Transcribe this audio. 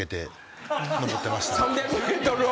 ３００ｍを？